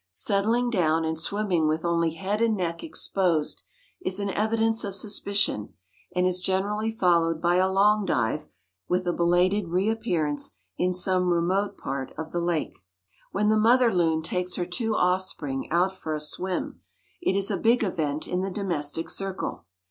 Settling down and swimming with only head and neck exposed is an evidence of suspicion, and is generally followed by a long dive, with a belated reappearance in some remote part of the lake. When the mother loon takes her two offspring out for a swim, it is a big event in the domestic circle.